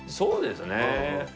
そうですね。